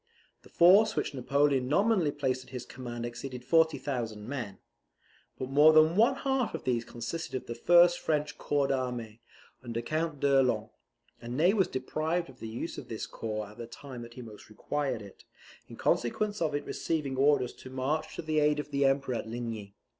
The force which Napoleon nominally placed at his command exceeded 40,000 men. But more than one half of these consisted of the first French corps d'armee, under Count d'Erlon; and Ney was deprived of the use of this corps at the time that he most required it, in consequence of its receiving orders to march to the aid of the Emperor at Ligny.